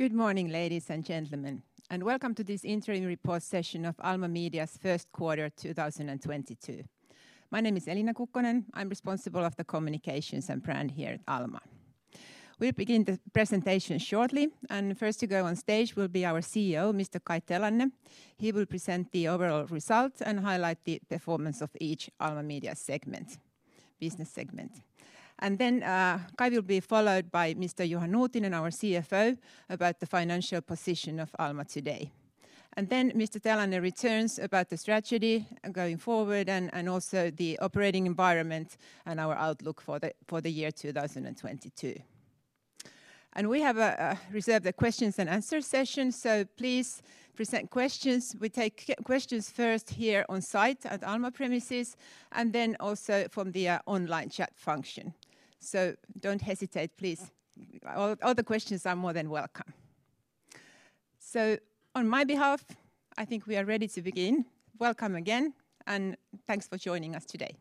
Good morning, ladies and gentlemen, and welcome to this interim report session of Alma Media's first quarter 2022. My name is Elina Kukkonen. I'm responsible of the communications and brand here at Alma. We'll begin the presentation shortly, and first to go on stage will be our CEO, Mr. Kai Telanne. He will present the overall results and highlight the performance of each Alma Media segment, business segment. Then, Kai will be followed by Mr. Juha Nuutinen, our CFO, about the financial position of Alma today. Then Mr. Telanne returns about the strategy going forward and also the operating environment and our outlook for the year 2022. We have reserved a questions-and-answer session, so please present questions. We take questions first here on site at Alma premises and then also from the online chat function. Don't hesitate, please. All the questions are more than welcome. On my behalf, I think we are ready to begin. Welcome again, and thanks for joining us today.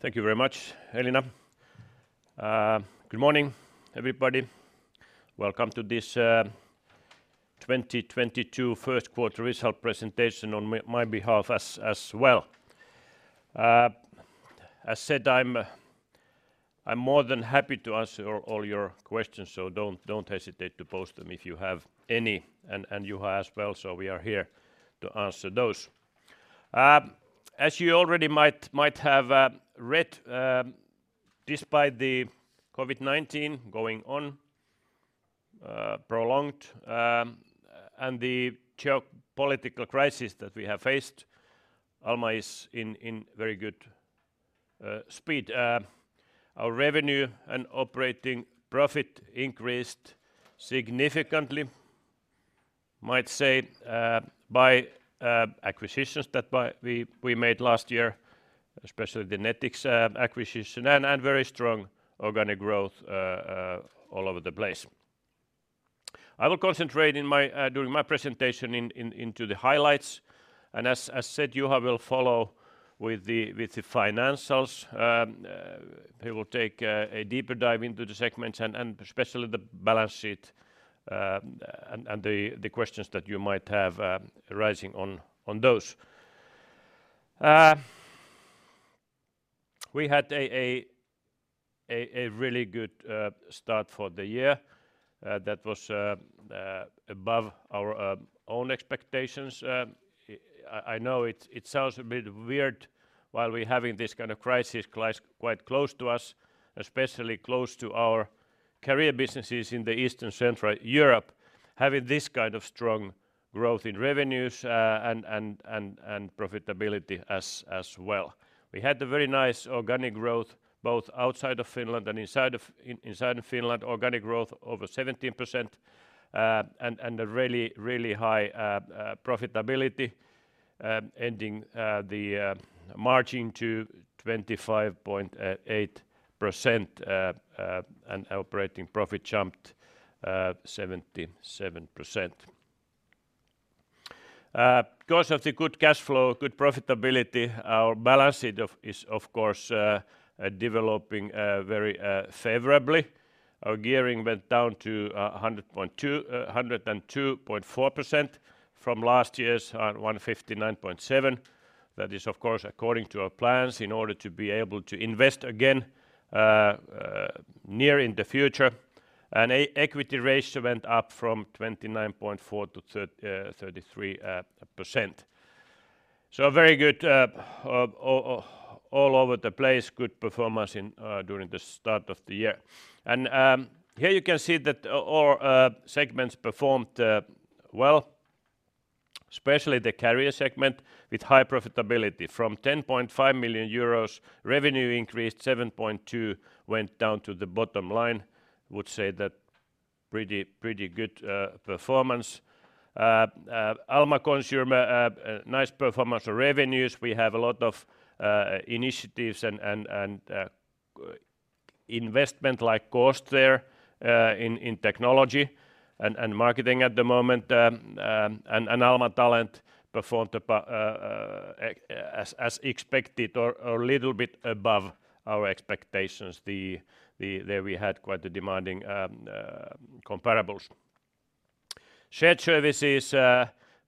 Thank you very much, Elina. Good morning, everybody. Welcome to this 2022 first quarter result presentation on my behalf as well. As said, I'm more than happy to answer all your questions, so don't hesitate to post them if you have any and Juha as well. We are here to answer those. As you already might have read, despite the COVID-19 going on prolonged and the geopolitical crisis that we have faced, Alma is in very good shape. Our revenue and operating profit increased significantly, might say, by acquisitions that we made last year, especially the Nettix acquisition and very strong organic growth all over the place. I will concentrate during my presentation into the highlights. As said, Juha will follow with the financials. He will take a deeper dive into the segments and especially the balance sheet, and the questions that you might have arising on those. We had a really good start for the year that was above our own expectations. I know it sounds a bit weird while we're having this kind of crisis quite close to us, especially close to our Career businesses in the Eastern Central Europe, having this kind of strong growth in revenues and profitability as well. We had a very nice organic growth both outside of Finland and inside of Finland, organic growth over 17%, and a really high profitability, ending the margin to 25.8%. Operating profit jumped 77%. Because of the good cash flow, good profitability, our balance sheet is of course developing very favorably. Our gearing went down to 102.4% from last year's 159.7%. That is of course according to our plans in order to be able to invest again in the near future. Equity ratio went up from 29.4%-33%. Very good, all over the place, good performance during the start of the year. Here you can see that all segments performed well, especially the Career segment with high profitability. From 10.5 million euros revenue increased, 7.2 million went down to the bottom line. Would say that pretty good performance. Alma Consumer, nice performance of revenues. We have a lot of initiatives and investment like cost there, in technology and marketing at the moment. And Alma Talent performed as expected or a little bit above our expectations. There we had quite a demanding comparables. Shared Services,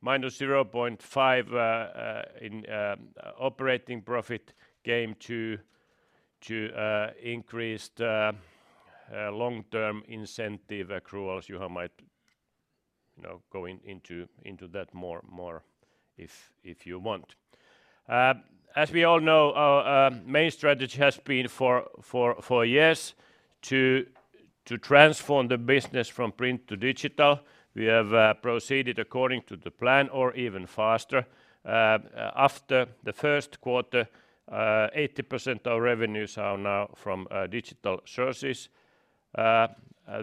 -0.5 in operating profit came to increased long-term incentive accruals. Juha might, you know, go into that more if you want. As we all know, our main strategy has been for years to transform the business from print to digital. We have proceeded according to the plan or even faster. After the first quarter, 80% of revenues are now from digital sources.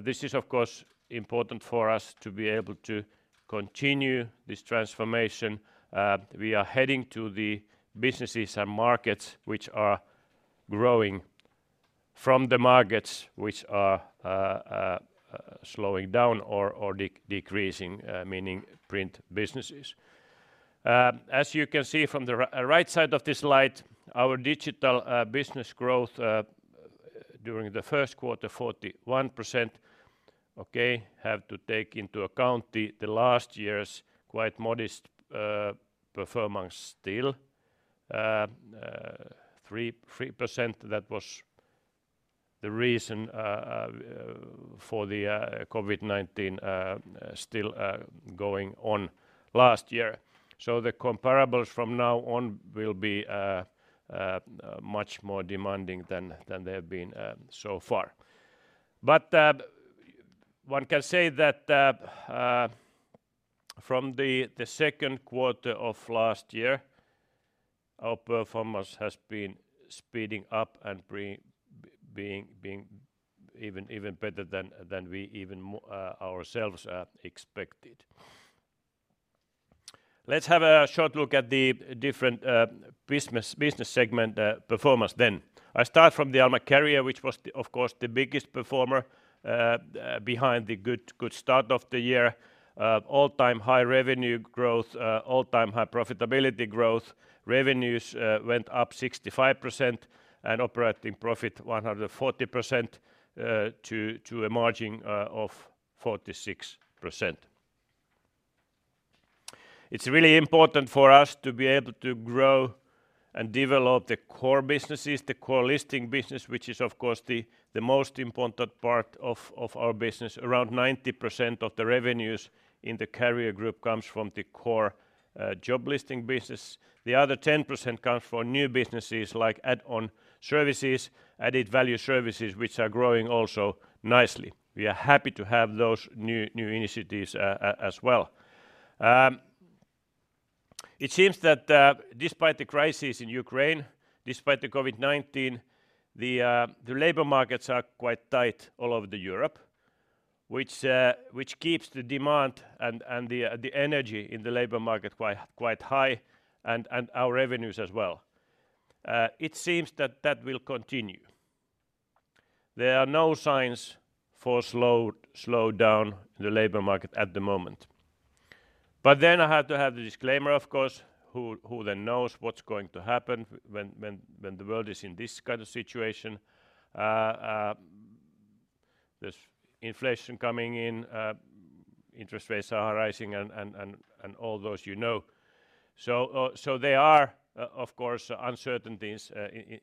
This is of course important for us to be able to continue this transformation. We are heading to the businesses and markets which are growing from the markets which are slowing down or decreasing, meaning print businesses. As you can see from the right side of this slide, our digital business growth during the first quarter 41%, okay, have to take into account the last year's quite modest performance still. Three percent that was the reason for the COVID-19 still going on last year. The comparables from now on will be much more demanding than they have been so far. One can say that from the second quarter of last year, our performance has been speeding up and being even better than we even ourselves expected. Let's have a short look at the different business segment performance then. I start from the Alma Career, which was of course the biggest performer behind the good start of the year. All-time high revenue growth, all-time high profitability growth. Revenues went up 65% and operating profit 100% to a margin of 46%. It's really important for us to be able to grow and develop the core businesses, the core listing business, which is of course the most important part of our business. Around 90% of the revenues in the Career group comes from the core job listing business. The other 10% comes from new businesses like add-on services, added-value services, which are growing also nicely. We are happy to have those new initiatives as well. It seems that despite the crisis in Ukraine, despite the COVID-19, the labor markets are quite tight all over Europe, which keeps the demand and the energy in the labor market quite high and our revenues as well. It seems that that will continue. There are no signs of slowdown in the labor market at the moment. I have to have the disclaimer, of course, who then knows what's going to happen when the world is in this kind of situation. There's inflation coming in, interest rates are rising and all those you know. There are of course uncertainties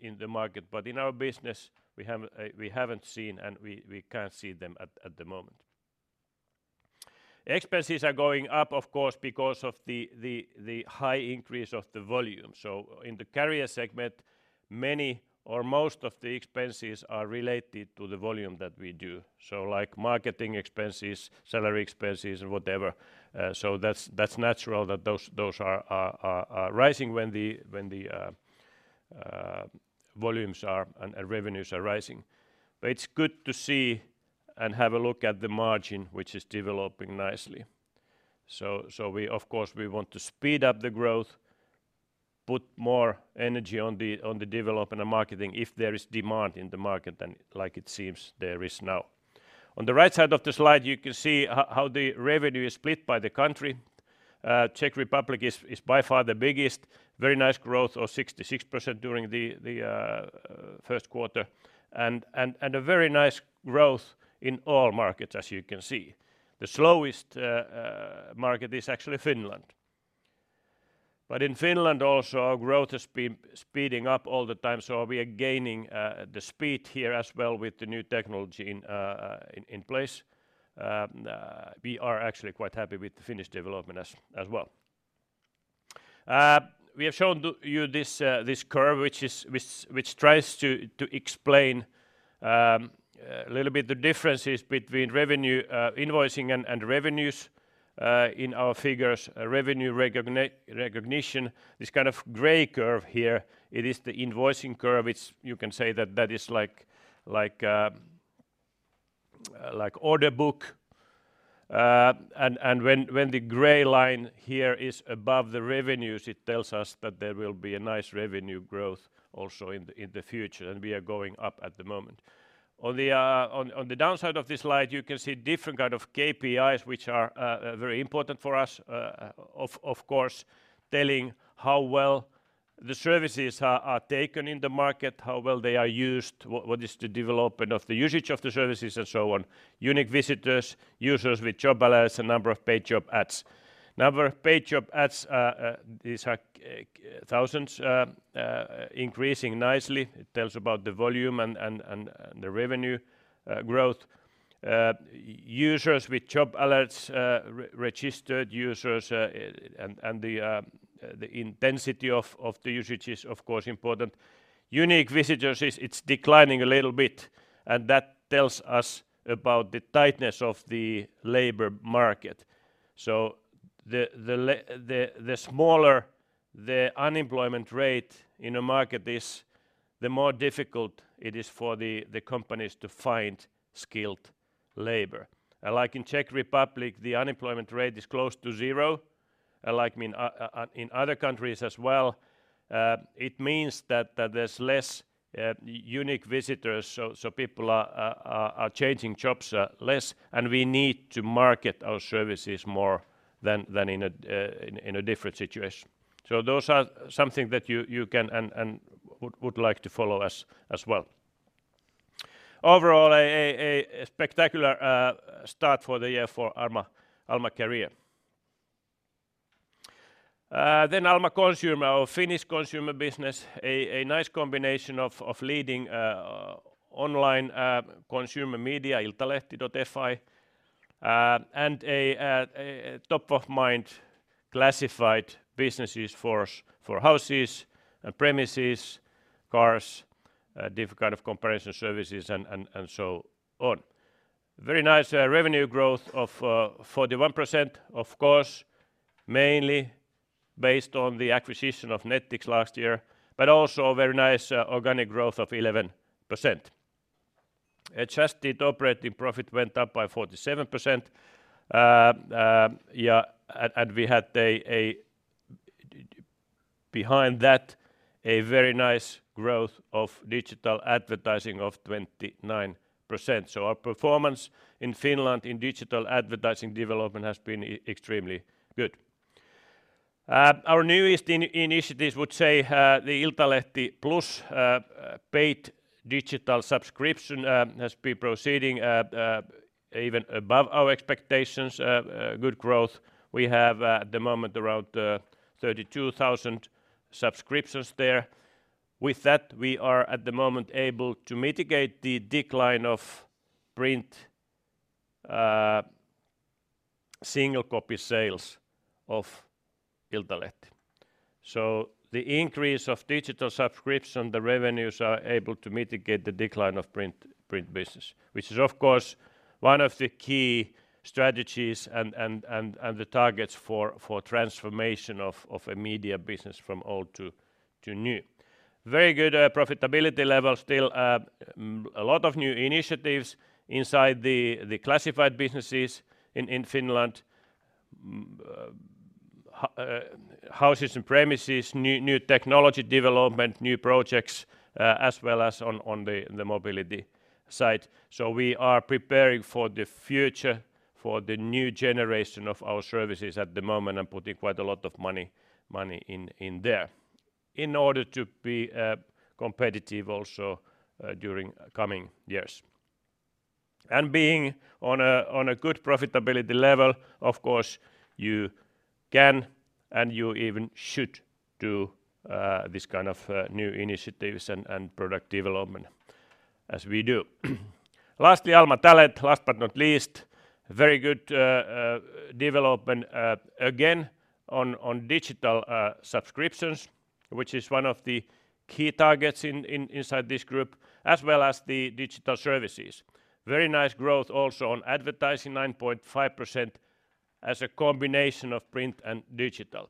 in the market, but in our business, we haven't seen and we can't see them at the moment. Expenses are going up, of course, because of the high increase of the volume. In the Career segment, many or most of the expenses are related to the volume that we do. Like marketing expenses, salary expenses or whatever. That's natural that those are rising when the volumes and revenues are rising. But it's good to see and have a look at the margin, which is developing nicely. We of course want to speed up the growth, put more energy on the development and marketing if there is demand in the market than like it seems there is now. On the right side of the slide, you can see how the revenue is split by the country. Czech Republic is by far the biggest. Very nice growth of 66% during the first quarter and a very nice growth in all markets, as you can see. The slowest market is actually Finland. In Finland also, our growth has been speeding up all the time, so we are gaining the speed here as well with the new technology in place. We are actually quite happy with the Finnish development as well. We have shown to you this curve which tries to explain a little bit the differences between revenue, invoicing and revenues in our figures. Revenue recognition, this kind of gray curve here, it is the invoicing curve. It's, you can say, that is like order book. When the gray line here is above the revenues, it tells us that there will be a nice revenue growth also in the future, and we are going up at the moment. On the downside of this slide, you can see different kind of KPIs, which are very important for us, of course, telling how well the services are taken in the market, how well they are used, what is the development of the usage of the services and so on. Unique visitors, users with job alerts, and number of paid job ads. Number of paid job ads, these are thousands, increasing nicely. It tells about the volume and the revenue growth. Users with job alerts, re-registered users, and the intensity of the usage is of course important. Unique visitors, it's declining a little bit, and that tells us about the tightness of the labor market. The smaller the unemployment rate in a market is, the more difficult it is for the companies to find skilled labor. Like in Czech Republic, the unemployment rate is close to zero, like in other countries as well. It means that there's less unique visitors, so people are changing jobs less, and we need to market our services more than in a different situation. Those are something that you can and would like to follow as well. Overall a spectacular start for the year for Alma Career. Alma Consumer, our Finnish consumer business, a nice combination of leading online consumer media, iltalehti.fi, and a top of mind classified businesses for houses and premises, cars, different kind of comparison services and so on. Very nice revenue growth of 41%. Of course, mainly based on the acquisition of Nettix last year, but also very nice organic growth of 11%. Adjusted operating profit went up by 47%. Behind that, a very nice growth of digital advertising of 29%. Our performance in Finland in digital advertising development has been extremely good. Our newest initiatives would say, the Iltalehti Plus paid digital subscription has been proceeding at even above our expectations, good growth. We have at the moment around 32,000 subscriptions there. With that, we are at the moment able to mitigate the decline of print single copy sales of Iltalehti. The increase of digital subscription revenues are able to mitigate the decline of print business, which is of course one of the key strategies and the targets for transformation of a media business from old to new. Very good profitability level still, a lot of new initiatives inside the classified businesses in Finland, houses and premises, new technology development, new projects, as well as on the mobility side. We are preparing for the future, for the new generation of our services at the moment and putting quite a lot of money in there in order to be competitive also during coming years. Being on a good profitability level, of course you can and you even should do this kind of new initiatives and product development as we do. Lastly, Alma Talent, last but not least, very good development again on digital subscriptions, which is one of the key targets inside this group, as well as the digital services. Very nice growth also on advertising, 9.5% as a combination of print and digital.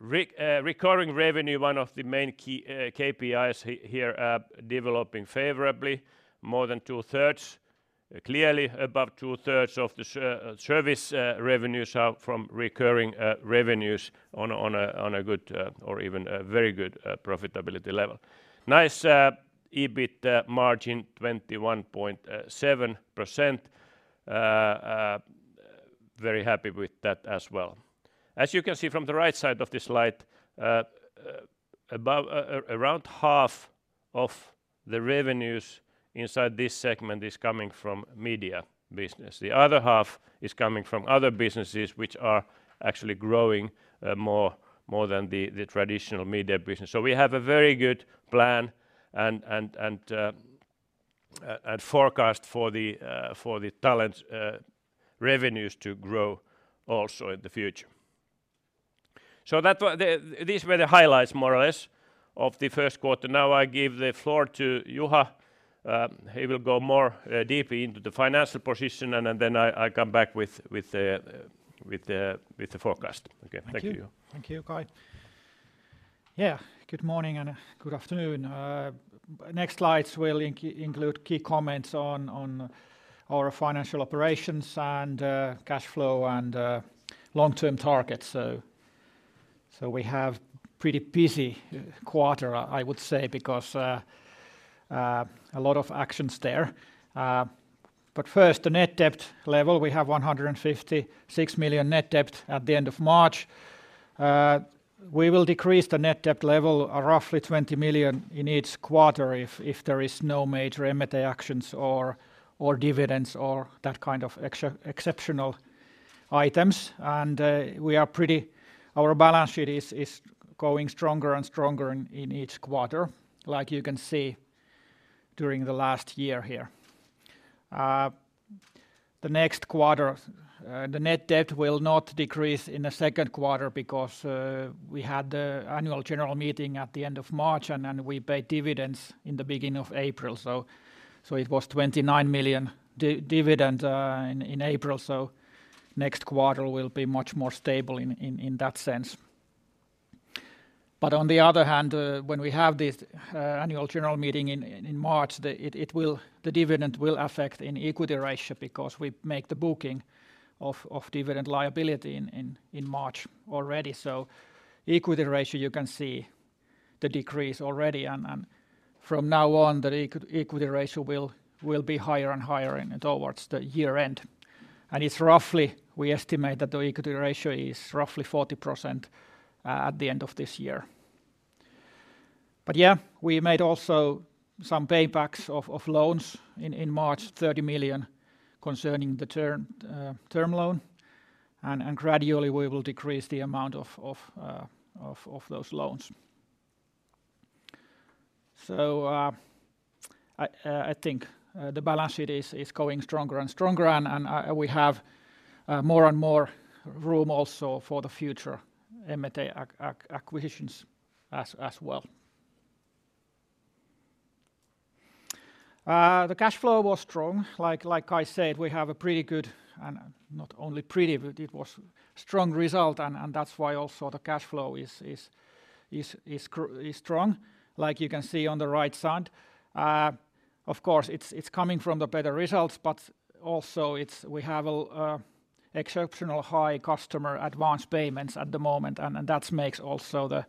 Recurring revenue, one of the main key KPIs here, developing favorably more than 2/3. Clearly above 2/3 of the service revenues are from recurring revenues on a good or even a very good profitability level. Nice EBIT margin, 21.7%. Very happy with that as well. As you can see from the right side of the slide, around half of the revenues inside this segment is coming from media business. The other half is coming from other businesses which are actually growing more than the traditional media business. We have a very good plan and forecast for the Talent revenues to grow also in the future. These were the highlights more or less of the first quarter. Now I give the floor to Juha, he will go more deeply into the financial position and then I come back with the forecast. Okay. Thank you. Thank you. Thank you, Kai. Yeah. Good morning and good afternoon. Next slides will include key comments on our financial operations and cash flow and long-term targets. We have a pretty busy quarter, I would say because a lot of actions there. But first the net debt level. We have 156 million net debt at the end of March. We will decrease the net debt level roughly 20 million in each quarter if there is no major M&A actions or dividends or that kind of exceptional items. We are pretty. Our balance sheet is going stronger and stronger in each quarter like you can see during the last year here. The next quarter, the net debt will not decrease in the second quarter because we had the annual general meeting at the end of March and then we paid dividends in the beginning of April. It was 29 million dividend in April, so next quarter will be much more stable in that sense. On the other hand, when we have this annual general meeting in March, the dividend will affect the equity ratio because we make the booking of dividend liability in March already. You can see the decrease in the equity ratio already and from now on the equity ratio will be higher and higher towards the year-end. We estimate that the equity ratio is roughly 40% at the end of this year. Yeah, we made also some paybacks of loans in March, 30 million concerning the term loan, and gradually we will decrease the amount of those loans. I think the balance sheet is going stronger and stronger and we have more and more room also for the future M&A acquisitions as well. The cash flow was strong. Like Kai said, we have a pretty good and not only pretty, but it was strong result and that's why also the cash flow is strong, like you can see on the right side. Of course, it's coming from the better results, but also we have exceptionally high customer advance payments at the moment, and that also makes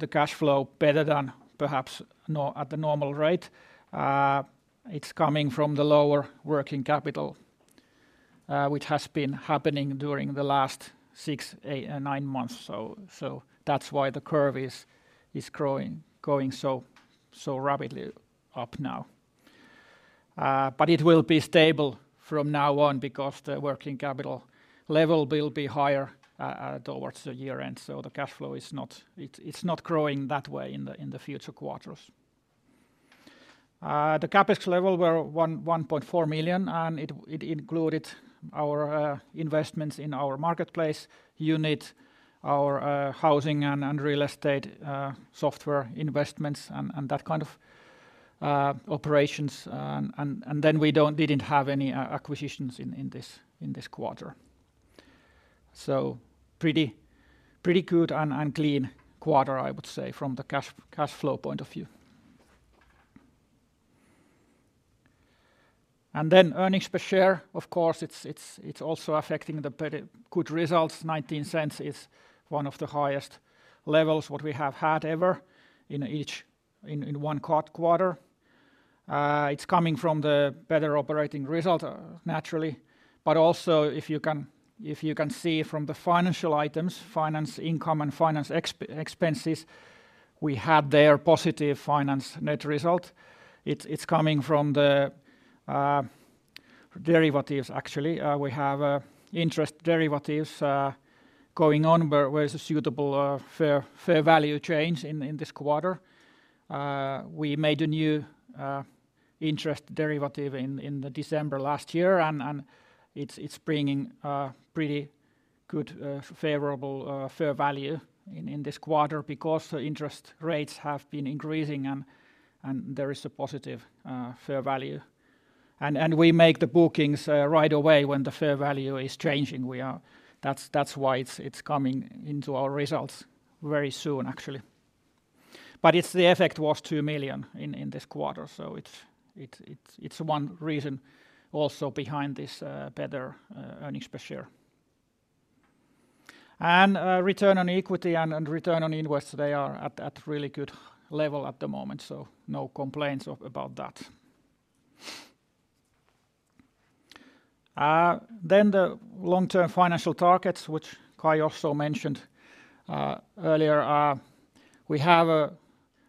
the cash flow better than perhaps at the normal rate. It's coming from the lower working capital, which has been happening during the last nine months. That's why the curve is growing so rapidly up now. It will be stable from now on because the working capital level will be higher towards the year-end. The cash flow is not growing that way in the future quarters. The CapEx level were 1.4 million, and it included our investments in our marketplace unit, our housing and real estate software investments and that kind of operations. We didn't have any acquisitions in this quarter. Pretty good and clean quarter, I would say, from the cash flow point of view. Earnings Per Share, of course, it's also affecting the pretty good results. 0.19 is one of the highest levels what we have had ever in one quarter. It's coming from the better operating result, naturally. If you can see from the financial items, finance income and finance expenses, we have there positive finance net result. It's coming from the derivatives actually. We have interest derivatives going on where there is a suitable fair value change in this quarter. We made a new interest derivative in December last year and it's bringing pretty good favorable fair value in this quarter because the interest rates have been increasing and there is a positive fair value. We make the bookings right away when the fair value is changing. That's why it's coming into our results very soon, actually. The effect was 2 million in this quarter. So it's one reason also behind this better Earnings Per Share. Return on equity and return on investment, they are at really good level at the moment, so no complaints about that. Then the long-term financial targets, which Kai also mentioned earlier, we have a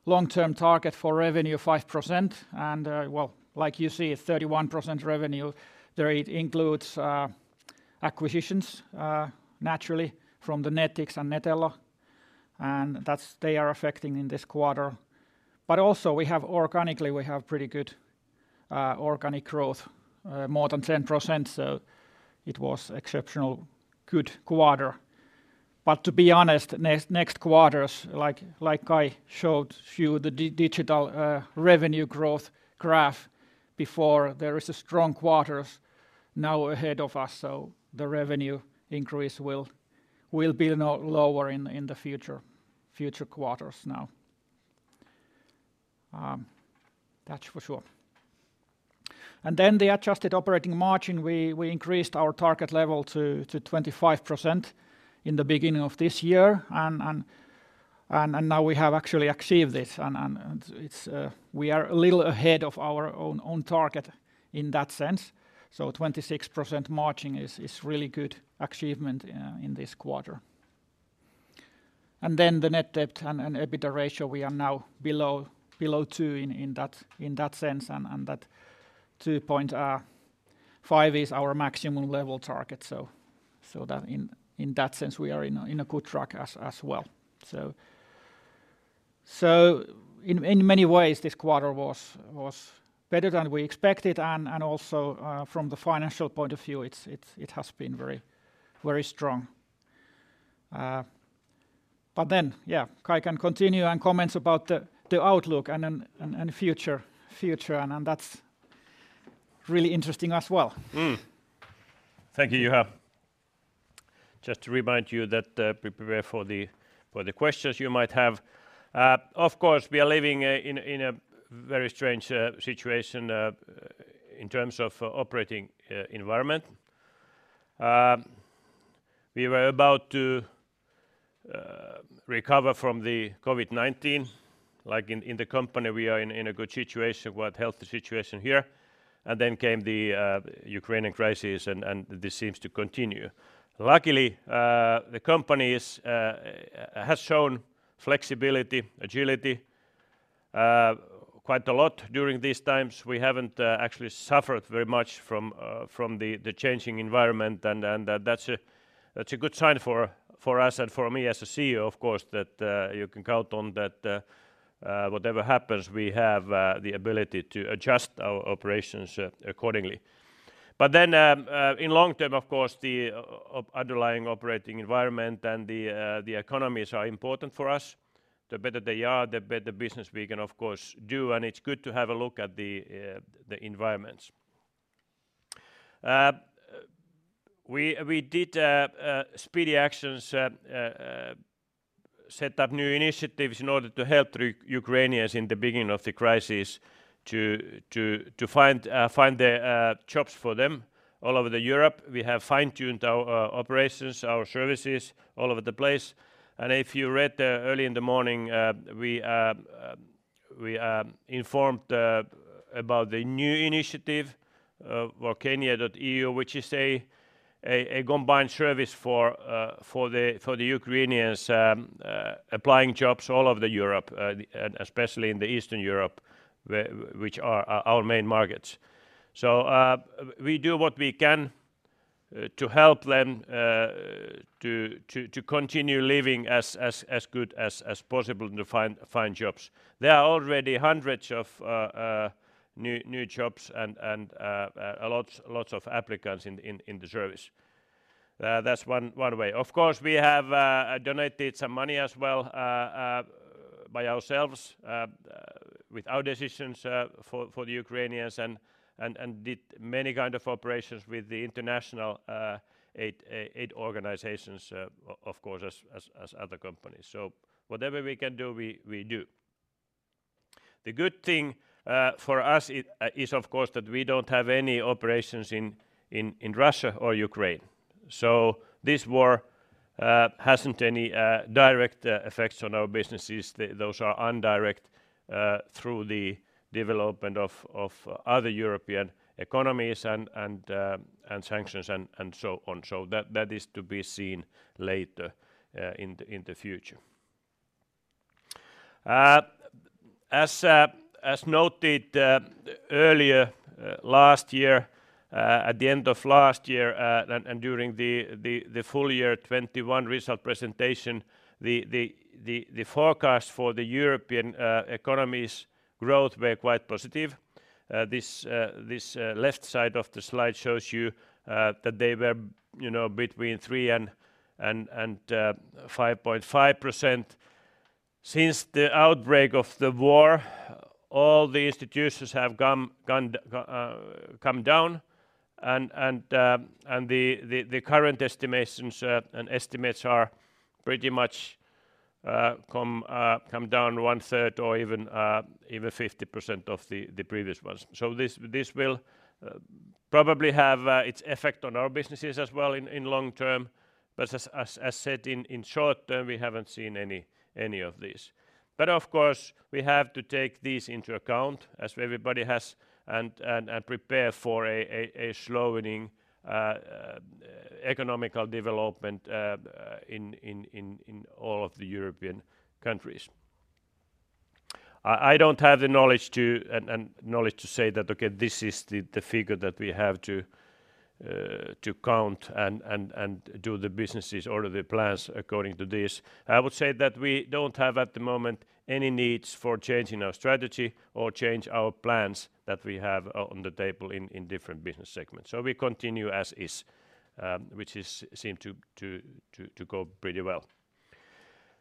long-term target for revenue 5% and, well, like you see, 31% revenue there. It includes acquisitions, naturally from the Nettix and Netello, and that's they are affecting in this quarter. But also we have organically, we have pretty good organic growth more than 10%. So it was exceptional good quarter. But to be honest, next quarters, like Kai showed you the digital revenue growth graph before, there is a strong quarters now ahead of us. So the revenue increase will be lower in the future quarters now. That's for sure. The adjusted operating margin, we increased our target level to 25% in the beginning of this year. Now we have actually achieved this and we are a little ahead of our own target in that sense. 26% margin is really good achievement in this quarter. The net debt and EBITDA ratio, we are now below two in that sense. That 2.5 is our maximum level target. That in that sense, we are on a good track as well. In many ways, this quarter was better than we expected and also from the financial point of view, it has been very strong. Yeah, Kai can continue and comment about the outlook and then the future, and that's really interesting as well. Thank you, Juha. Just to remind you to prepare for the questions you might have. Of course, we are living in a very strange situation in terms of operating environment. We were about to recover from the COVID-19. Like in the company, we are in a good situation with health situation here, and then came the Ukrainian crisis and this seems to continue. Luckily, the company has shown flexibility, agility quite a lot during these times. We haven't actually suffered very much from the changing environment and that's a good sign for us and for me as a CEO, of course, that you can count on that whatever happens, we have the ability to adjust our operations accordingly. In the long term, of course, the underlying operating environment and the economies are important for us. The better they are, the better business we can, of course, do, and it's good to have a look at the environments. We did speedy actions, set up new initiatives in order to help the Ukrainians in the beginning of the crisis to find the jobs for them all over Europe. We have fine-tuned our operations, our services all over the place. If you read early in the morning, we informed about the new initiative, well, workania.eu which is a combined service for the Ukrainians applying jobs all over the Europe, and especially in the Eastern Europe which are our main markets. We do what we can to help them to continue living as good as possible and to find jobs. There are already hundreds of new jobs and lots of applicants in the service. That's one way. Of course, we have donated some money as well by ourselves with our decisions for the Ukrainians and did many kind of operations with the international aid organizations, of course, as other companies. Whatever we can do, we do. The good thing for us is, of course, that we don't have any operations in Russia or Ukraine. This war hasn't any direct effects on our businesses. Those are indirect through the development of other European economies and sanctions and so on. That is to be seen later in the future. As noted earlier last year at the end of last year and during the full year 2021 result presentation, the forecast for the European economies' growth was quite positive. This left side of the slide shows you that they were you know between 3% and 5.5%. Since the outbreak of the war, all the institutions have come down and the current estimates are pretty much come down 1/3 or even 50% of the previous ones. This will probably have its effect on our businesses as well in the long term. As said, in short term, we haven't seen any of this. Of course, we have to take this into account as everybody has and prepare for a slowing economic development in all of the European countries. I don't have the knowledge to say that, okay, this is the figure that we have to count and do the businesses or the plans according to this. I would say that we don't have at the moment any needs for changing our strategy or change our plans that we have on the table in different business segments. We continue as is, which seems to go pretty well.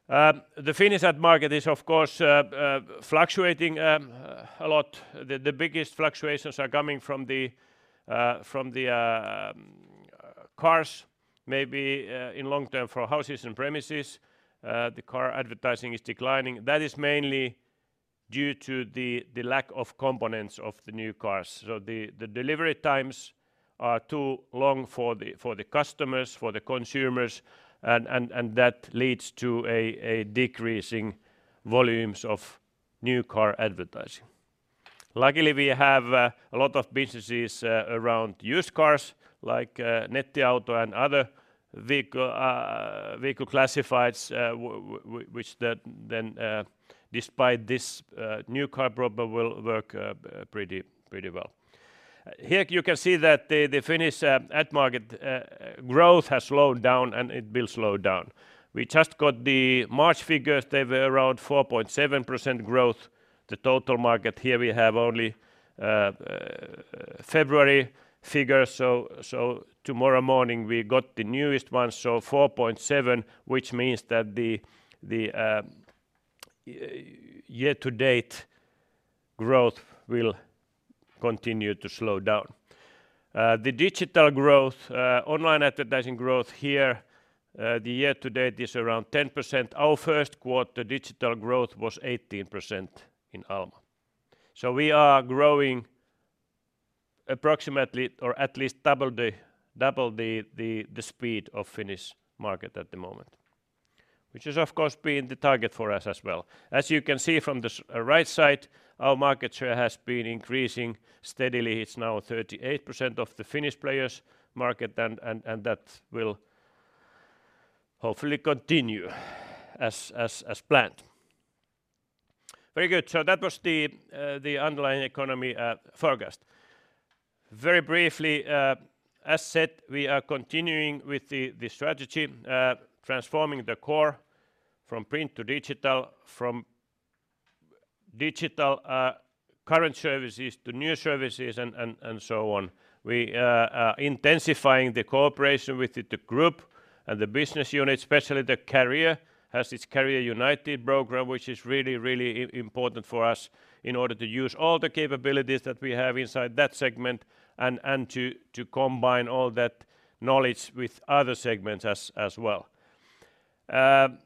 The Finnish ad market is of course fluctuating a lot. The biggest fluctuations are coming from the cars, maybe in long term for houses and premises. The car advertising is declining. That is mainly due to the lack of components of the new cars. The delivery times are too long for the customers, for the consumers, and that leads to a decreasing volumes of new car advertising. Luckily, we have a lot of businesses around used cars like Nettiauto and other vehicle classifieds, which that then despite this new car problem will work pretty well. Here you can see that the Finnish ad market growth has slowed down, and it will slow down. We just got the March figures. They were around 4.7% growth. The total market here, we have only February figures. Tomorrow morning, we got the newest one, so 4.7%, which means that the year to date growth will continue to slow down. The digital growth, online advertising growth here, the year to date is around 10%. Our first quarter digital growth was 18% in Alma. We are growing approximately or at least double the speed of Finnish market at the moment, which has of course been the target for us as well. As you can see from the right side, our market share has been increasing steadily. It's now 38% of the Finnish players market and that will hopefully continue as planned. Very good. That was the underlying economy and forecast. Very briefly, as said, we are continuing with the strategy, transforming the core from print to digital, from digital current services to new services and so on. We are intensifying the cooperation with the group and the business unit, especially the Career has its Career United program which is really important for us in order to use all the capabilities that we have inside that segment and to combine all that knowledge with other segments as well. On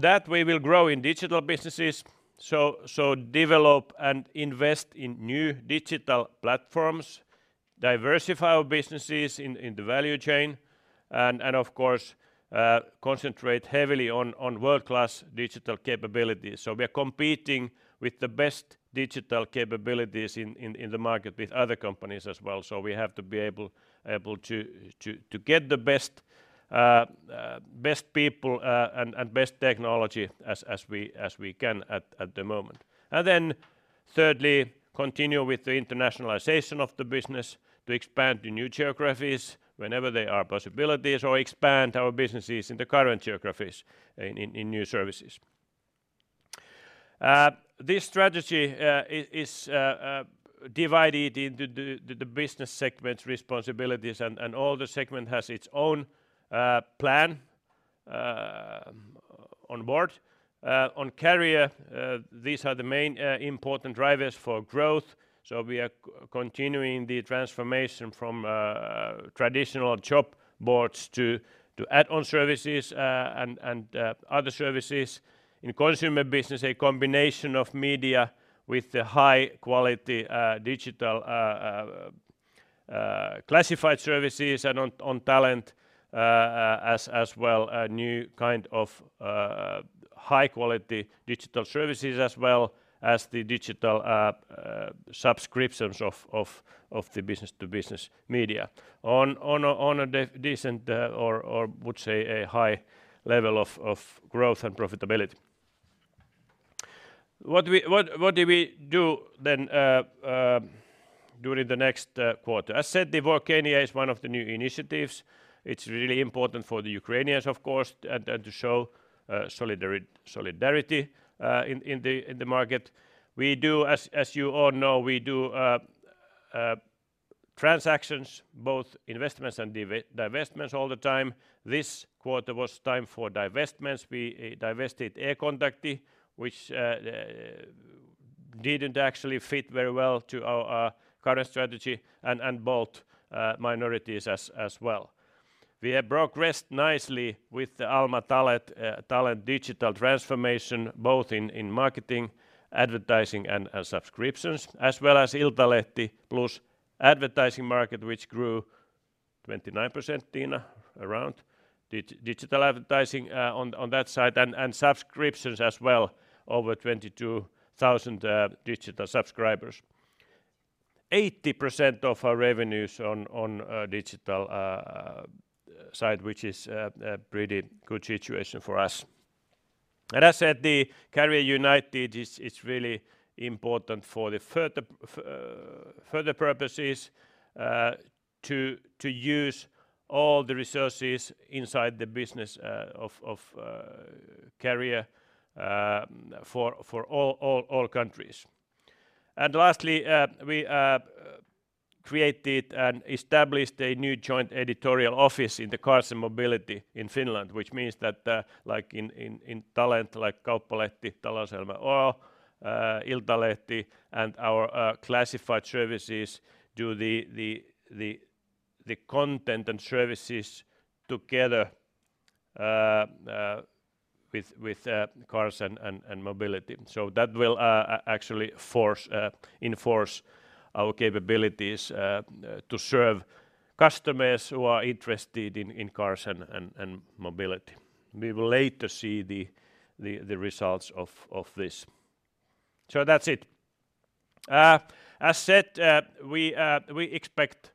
that we will grow in digital businesses, so develop and invest in new digital platforms, diversify our businesses in the value chain and of course, concentrate heavily on world-class digital capabilities. We are competing with the best digital capabilities in the market with other companies as well. We have to be able to get the best people and best technology as we can at the moment. Thirdly, continue with the internationalization of the business to expand to new geographies whenever there are possibilities or expand our businesses in the current geographies in new services. This strategy is divided into the business segments responsibilities and all the segment has its own plan onboard. On Alma Career, these are the main important drivers for growth. We are continuing the transformation from traditional job boards to add-on services and other services. In consumer business, a combination of media with the high quality digital classified services and on talent as well, a new kind of high quality digital services as well as the digital subscriptions of the business to business media. On a decent, or would say a high level of growth and profitability. What do we do then during the next quarter? As said, the Workania is one of the new initiatives. It's really important for the Ukrainians, of course, and to show solidarity in the market. We do as you all know, we do transactions, both investments and divestments all the time. This quarter was time for divestments. We divested E-kontakti, which didn't actually fit very well to our current strategy and both minorities as well. We have progressed nicely with the Alma Talent digital transformation, both in marketing, advertising and subscriptions, as well as Iltalehti Plus advertising market, which grew 29%, Tina, around digital advertising on that side and subscriptions as well over 22,000 digital subscribers. 80% of our revenues on digital side, which is a pretty good situation for us. As said, the Career United is really important for the further purposes to use all the resources inside the business of Career for all countries. Lastly, we created and established a new joint editorial office in the cars and mobility in Finland, which means that, like in Talent, like Kauppalehti, Talouselämä, or Iltalehti and our classified services do the content and services together with cars and mobility. That will actually enforce our capabilities to serve customers who are interested in cars and mobility. We will later see the results of this. That's it. As said, we expect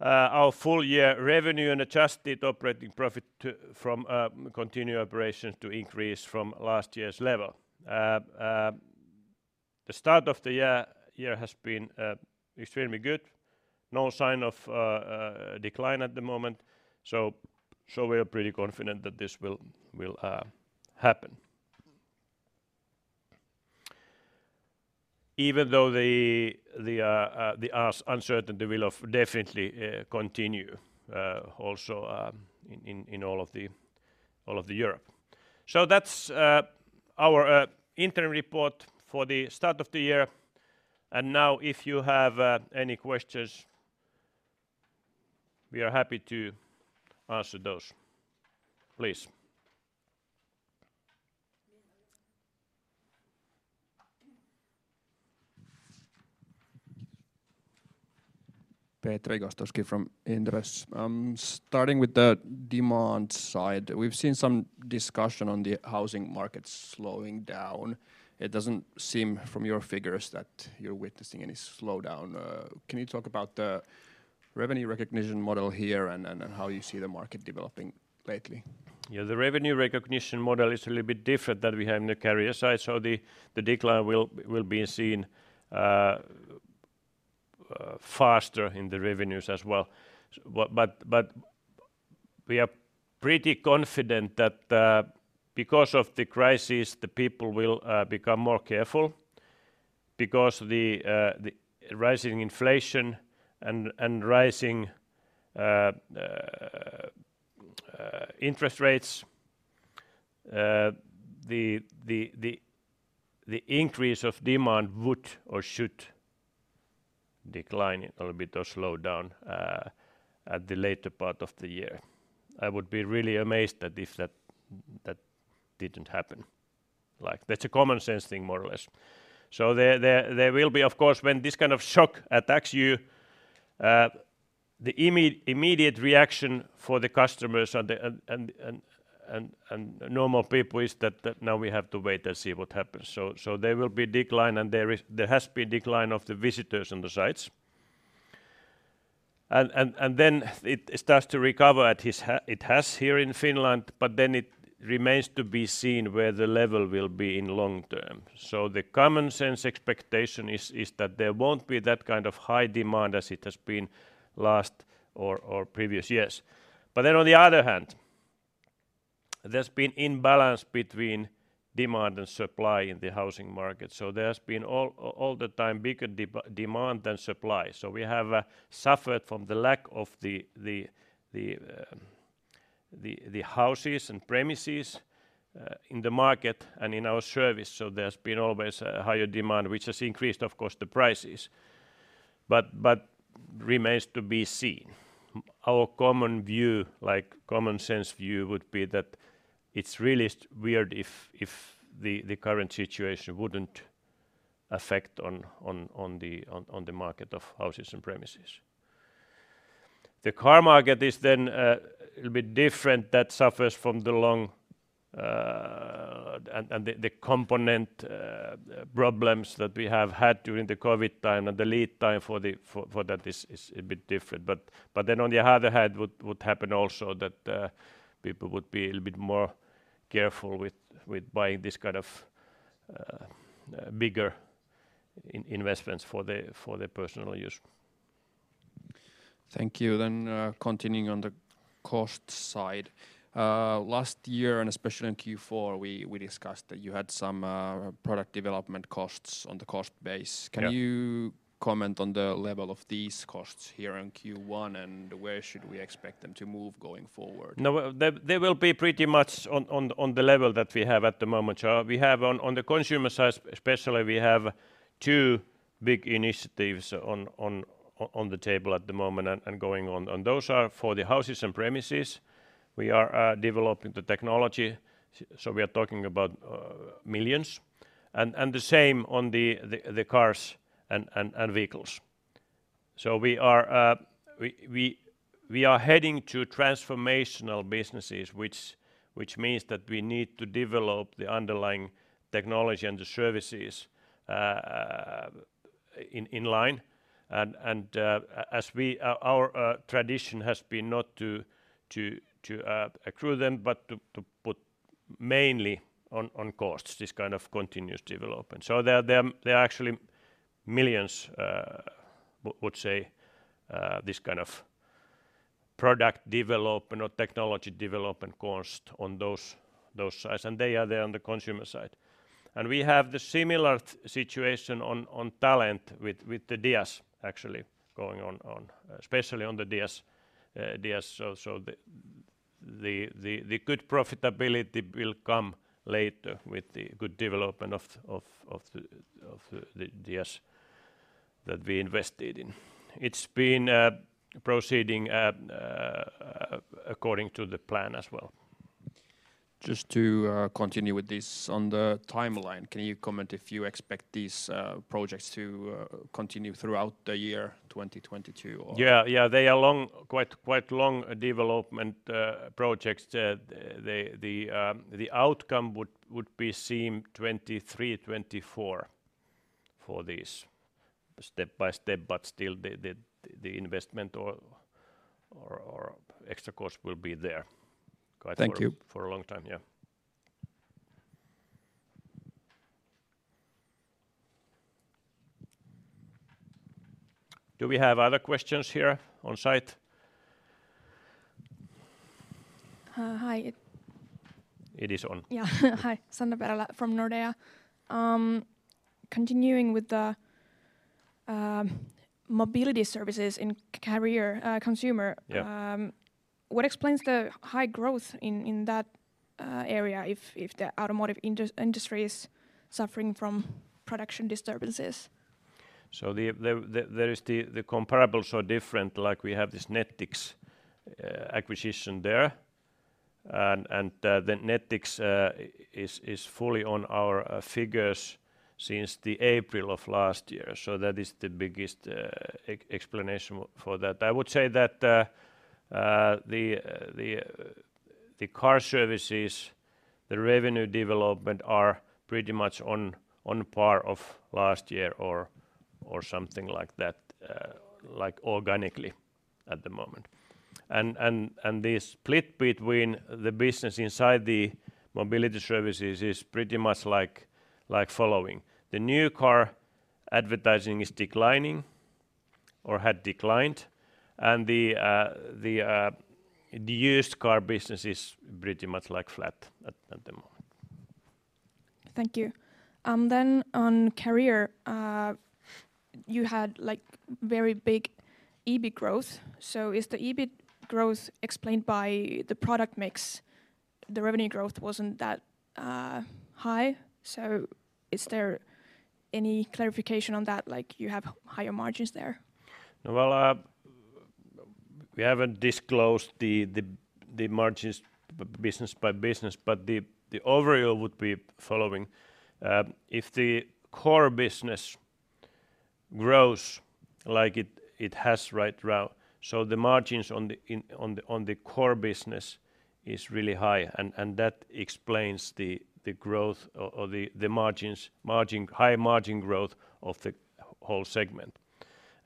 our full year revenue and adjusted operating profit from continued operations to increase from last year's level. The start of the year has been extremely good. No sign of decline at the moment. We are pretty confident that this will happen. Even though the uncertainty will most definitely continue also in all of Europe. That's our interim report for the start of the year. Now if you have any questions, we are happy to answer those. Please. Petri Gostowski from Inderes. Starting with the demand side, we've seen some discussion on the housing market slowing down. It doesn't seem from your figures that you're witnessing any slowdown. Can you talk about the revenue recognition model here and how you see the market developing lately? Yeah, the revenue recognition model is a little bit different than we have in the career side. The decline will be seen faster in the revenues as well. We are pretty confident that because of the crisis, the people will become more careful because the rising inflation and rising interest rates, the increase of demand would or should decline a little bit or slow down at the later part of the year. I would be really amazed if that didn't happen. Like that's a common sense thing more or less. There will be of course, when this kind of shock attacks you, the immediate reaction for the customers and the normal people is that now we have to wait and see what happens. There will be decline and there has been decline of the visitors on the sites. Then it has here in Finland, but then it remains to be seen where the level will be in long term. The common sense expectation is that there won't be that kind of high demand as it has been last or previous years. On the other hand, there's been imbalance between demand and supply in the housing market. There's been all the time bigger demand than supply. We have suffered from the lack of the houses and premises in the market and in our service. There's been always a higher demand, which has increased, of course, the prices, but remains to be seen. Our common view, like common sense view, would be that it's really weird if the current situation wouldn't affect on the market of houses and premises. The car market is then a little bit different that suffers from the long and the component problems that we have had during the COVID time and the lead time for that is a bit different. On the other hand, it would also happen that people would be a little bit more careful with buying this kind of bigger investments for their personal use. Thank you. Continuing on the cost side. Last year, and especially in Q4, we discussed that you had some product development costs on the cost base. Yeah. Can you comment on the level of these costs here in Q1 and where should we expect them to move going forward? No, they will be pretty much on the level that we have at the moment. We have on the consumer side especially, we have two big initiatives on the table at the moment and going on. Those are for the houses and premises. We are developing the technology. So we are talking about millions and the same on the cars and vehicles. So we are heading to transformational businesses, which means that we need to develop the underlying technology and the services in line. As our tradition has been not to accrue them, but to put mainly on costs, this kind of continuous development. They're actually millions we would say this kind of product development or technology development cost on those sides, and they are there on the Consumer side. We have the similar situation on Talent with the DIAS actually going on, especially on the DIAS. The good profitability will come later with the good development of the DIAS that we invested in. It's been proceeding according to the plan as well. Just to continue with this on the timeline, can you comment if you expect these projects to continue throughout the year 2022 or. Yeah. They are long, quite long development projects. The outcome would be seen 2023, 2024 for this step by step, but still the investment or extra cost will be there. Thank you. Quiet for a long time. Yeah. Do we have other questions here on site? Hi. It is on. Yeah. Hi, Sanna Perälä from Nordea. Continuing with the mobility services in Career, consumer. Yeah What explains the high growth in that area if the automotive industry is suffering from production disturbances? The comparables are different, like we have this Nettix acquisition there. The Nettix is fully on our figures since April of last year. That is the biggest explanation for that. I would say that the car services, the revenue development are pretty much on par of last year or something like that, like organically at the moment. The split between the business inside the mobility services is pretty much like following. The new car advertising is declining or had declined and the used car business is pretty much like flat at the moment. Thank you. On Career, you had like very big EBIT growth. Is the EBIT growth explained by the product mix? The revenue growth wasn't that high. Is there any clarification on that, like you have higher margins there? Well, we haven't disclosed the margins, business by business, but the overall would be following. If the core business grows like it has right now, so the margins on the core business is really high and that explains the growth or the high margin growth of the whole segment.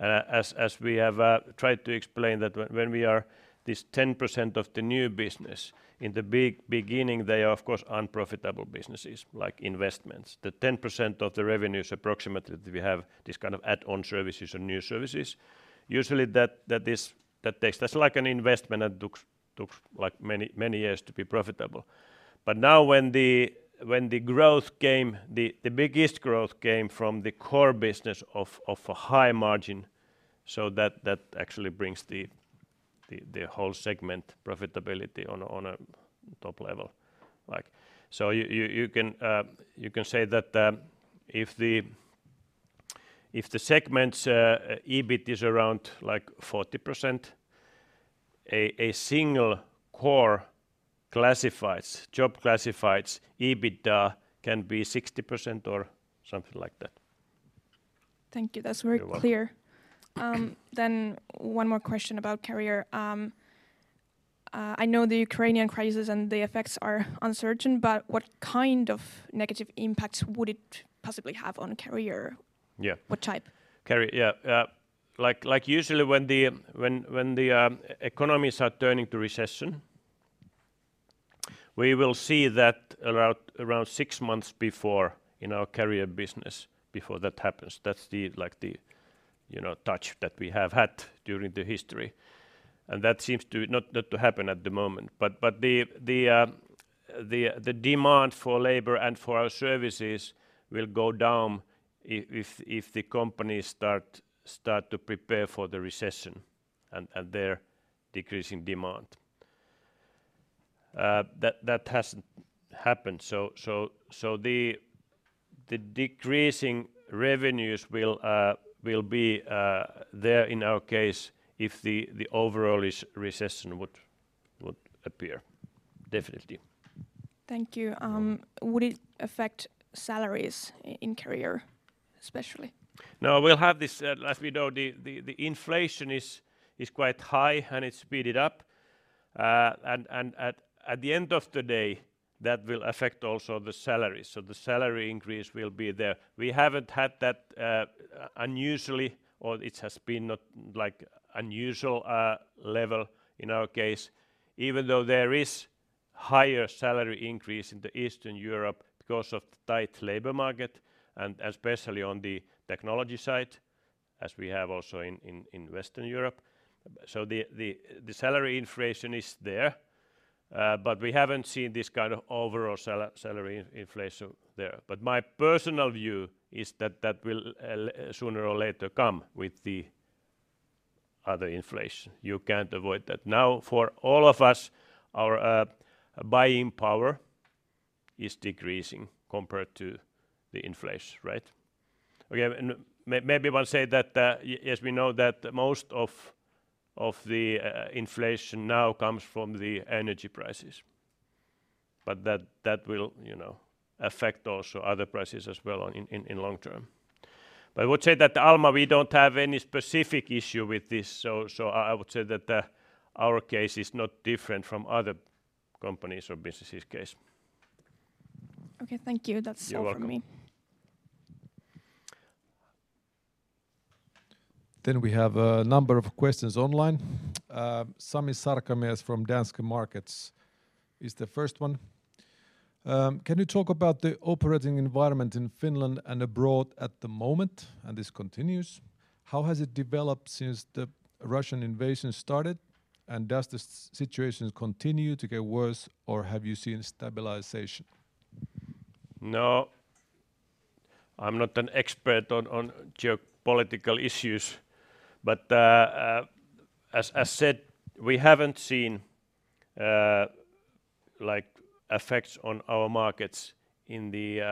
As we have tried to explain that when we are this 10% of the new business in the beginning, they are of course unprofitable businesses like investments. The 10% of the revenues approximately that we have, these kind of add-on services or new services, usually that is like an investment and takes like many years to be profitable. Now when the growth came, the biggest growth came from the core business of a high margin so that actually brings the whole segment profitability on a top level like. You can say that if the segment's EBIT is around like 40%, a single core classifieds job classifieds EBIT can be 60% or something like that. Thank you. That's very clear. You're welcome. One more question about Career. I know the Ukrainian crisis and the effects are uncertain, but what kind of negative impacts would it possibly have on Career? Yeah. What type? Career, yeah. Like usually when the economies are turning to recession, we will see that around six months before in our Career business before that happens. That's like the, you know, such that we have had during the history, and that seems not to happen at the moment. The demand for labor and for our services will go down if the companies start to prepare for the recession and their decreasing demand. That hasn't happened. The decreasing revenues will be there in our case if the overall recession would appear. Definitely. Thank you. You're welcome. Would it affect salaries in Career especially? No, we'll have this, as we know, the inflation is quite high and it's speeded up. At the end of the day, that will affect also the salaries. The salary increase will be there. We haven't had that unusually or it has been not like unusual level in our case even though there is higher salary increase in Eastern Europe because of the tight labor market and especially on the technology side as we have also in Western Europe. The salary inflation is there, but we haven't seen this kind of overall salary inflation there. My personal view is that that will sooner or later come with the other inflation. You can't avoid that. Now, for all of us, our buying power is decreasing compared to the inflation, right? Okay, maybe I will say that, yes, we know that most of the inflation now comes from the energy prices, but that will, you know, affect also other prices as well in the long term. I would say that Alma, we don't have any specific issue with this. I would say that, our case is not different from other companies or business case. Okay. Thank you. That's all from me. You're welcome. We have a number of questions online. Sami Sarkamies from Danske Bank is the first one. Can you talk about the operating environment in Finland and abroad at the moment? This continues. How has it developed since the Russian invasion started, and does the situation continue to get worse or have you seen stabilization? No, I'm not an expert on geopolitical issues, but as said, we haven't seen like effects on our markets in the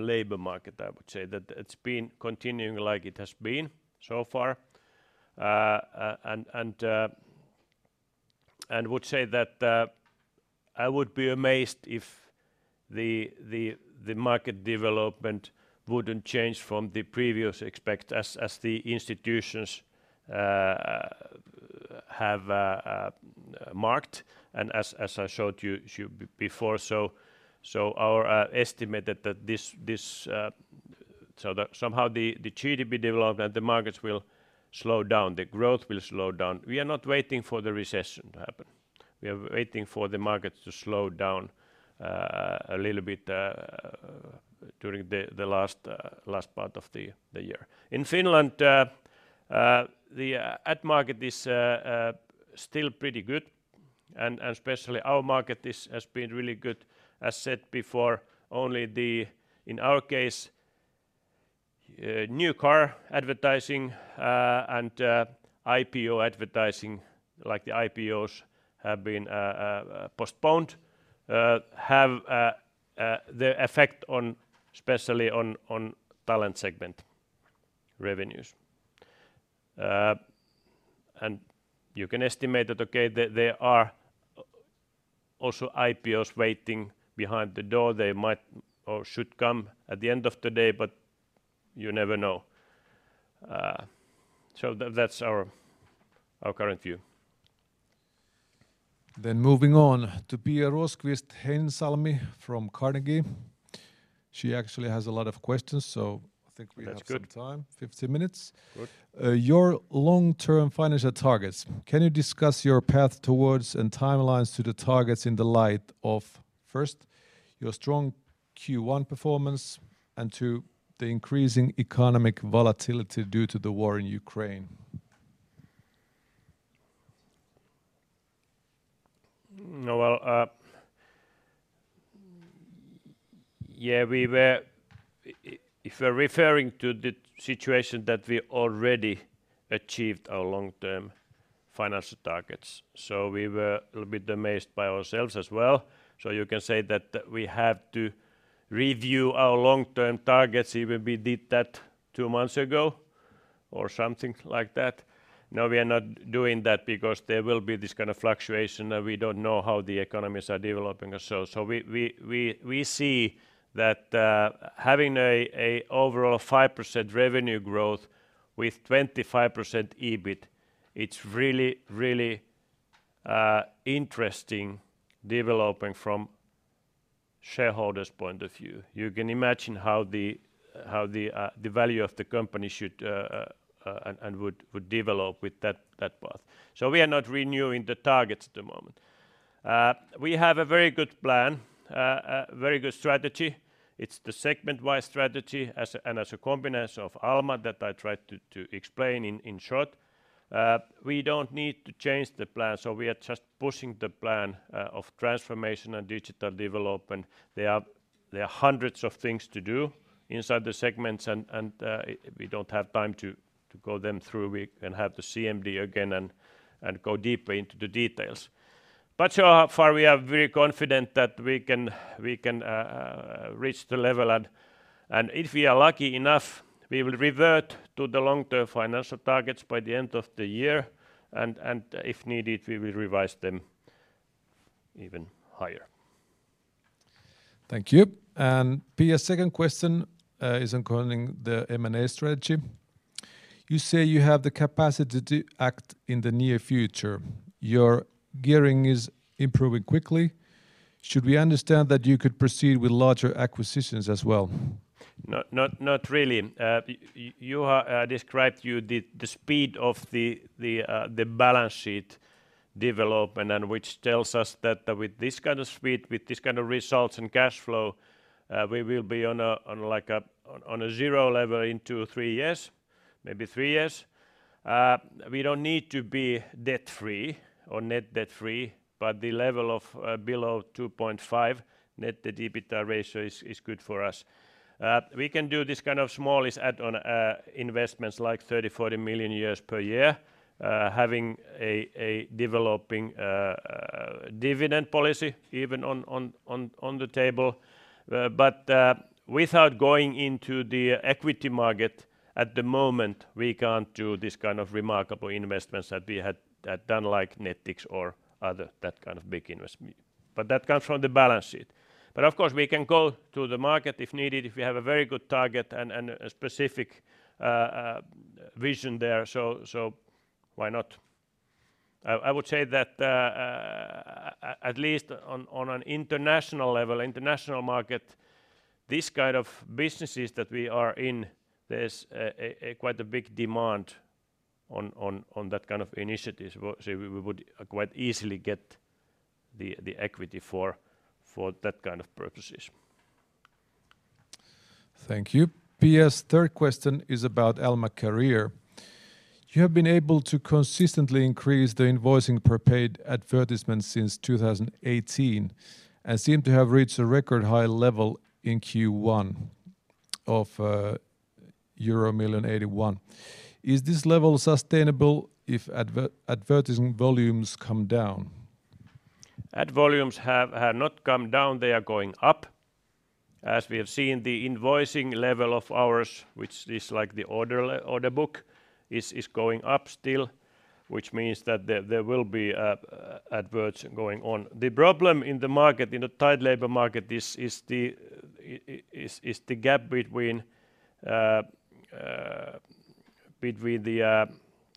labor market, I would say. It's been continuing like it has been so far. I would say that I would be amazed if the market development wouldn't change from the previous expectations as the institutions have forecast and as I showed you before. Our estimate that this somehow the GDP development, the markets will slow down, the growth will slow down. We are not waiting for the recession to happen. We are waiting for the markets to slow down a little bit during the last part of the year. In Finland, the ad market is still pretty good, and especially our market has been really good. As said before, only in our case new car advertising and IPO advertising like the IPOs have been postponed have the effect on especially on Talent segment revenues. You can estimate that there are also IPOs waiting behind the door. They might or should come at the end of the day, but you never know. That's our current view. Moving on to Pia Rosqvist-Heinsalmi from Carnegie. She actually has a lot of questions, so I think we have. That's good. some time, 50 minutes. Good. Your long-term financial targets, can you discuss your path towards and timelines to the targets in the light of, first, your strong Q1 performance and, two, the increasing economic volatility due to the war in Ukraine? No, well, if we're referring to the situation that we already achieved our long-term financial targets. We were a little bit amazed by ourselves as well. You can say that we have to review our long-term targets, even though we did that two months ago or something like that. No, we are not doing that because there will be this kind of fluctuation and we don't know how the economies are developing, ourselves. We see that having an overall 5% revenue growth with 25% EBIT, it's really interesting development from shareholders' point of view. You can imagine how the value of the company should and would develop with that path. We are not renewing the targets at the moment. We have a very good plan, very good strategy. It's the segment-wide strategy and as a combination of Alma that I tried to explain in short. We don't need to change the plan, so we are just pushing the plan of transformation and digital development. There are hundreds of things to do inside the segments and we don't have time to go them through. We can have the CMD again and go deeper into the details. So far we are very confident that we can reach the level and if we are lucky enough, we will revert to the long-term financial targets by the end of the year, and if needed, we will revise them even higher. Thank you. Pia's second question is concerning the M&A strategy. You say you have the capacity to act in the near future. Your gearing is improving quickly. Should we understand that you could proceed with larger acquisitions as well? Not really. Juha described to you the speed of the balance sheet development and which tells us that with this kind of speed, with this kind of results and cash flow, we will be on a zero level in two-three years, maybe three years. We don't need to be debt-free or net debt-free, but a level below 2.5 net debt to EBITDA ratio is good for us. We can do this kind of small-ish add-on investments like 30 million-40 million per year, having a developing dividend policy even on the table. Without going into the equity market at the moment, we can't do this kind of remarkable investments that we had done like Nettix or other that kind of big investments. That comes from the balance sheet. Of course, we can go to the market if needed, if we have a very good target and a specific vision there. Why not? I would say that at least on an international level, international market, these kind of businesses that we are in, there's quite a big demand on that kind of initiatives. We would quite easily get the equity for that kind of purposes. Thank you. Pia's third question is about Alma Career. You have been able to consistently increase the invoicing per paid advertisement since 2018, and seem to have reached a record high level in Q1 of 81 million. Is this level sustainable if advertising volumes come down? Ad volumes have not come down, they are going up. As we have seen the invoicing level of ours, which is like the order book, is going up still, which means that there will be adverts going on. The problem in the market, in a tight labor market is the gap between the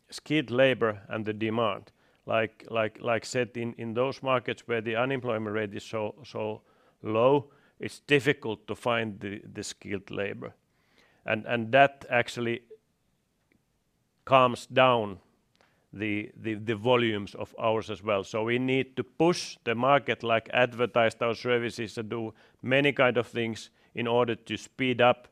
skilled labor and the demand. As said in those markets where the unemployment rate is so low, it's difficult to find the skilled labor. That actually calms down the volumes of ours as well. We need to push the market, like advertise those services and do many kinds of things in order to speed up